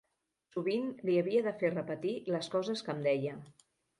Sovint li havia de fer repetir les coses que em deia.